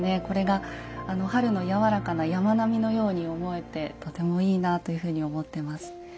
これが春のやわらかな山並みのように思えてとてもいいなというふうに思ってます。